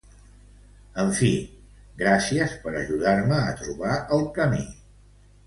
En fi, gràcies per ajudar-me a trobar el camí.